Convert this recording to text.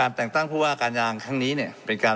ยางบันนะยังแพงประหยัดครับ